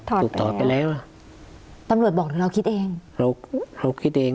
ถูกถอดไปแล้วอ่ะตำรวจบอกหรือเราคิดเองเราเราคิดเอง